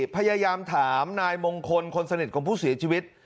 พยายามถามนายมงคลคนสนิทของผู้เสียชีวิต